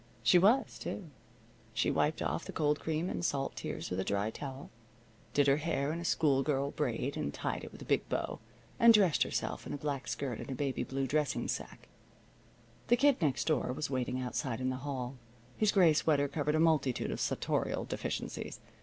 She was, too. She wiped off the cold cream and salt tears with a dry towel, did her hair in a schoolgirl braid and tied it with a big bow, and dressed herself in a black skirt and a baby blue dressing sacque. The Kid Next Door was waiting outside in the hall. His gray sweater covered a multitude of sartorial deficiencies.